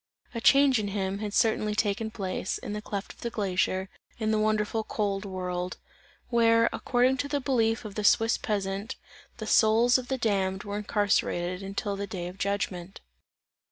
A change in him, had certainly taken place, in the cleft of the glacier, in the wonderful cold world; where, according to the belief of the Swiss peasant, the souls of the damned are incarcerated until the day of judgment.